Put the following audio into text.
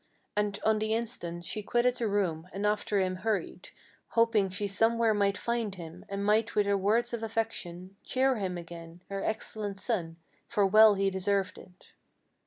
And on the instant she quitted the room, and after him hurried, Hoping she somewhere might find him, and might with her words of affection Cheer him again, her excellent son, for well he deserved it.